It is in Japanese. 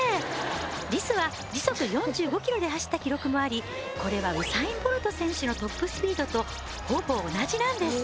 リスは時速４５キロで走った記録もありこれはウサイン・ボルト選手のトップスピードとほぼ同じなんです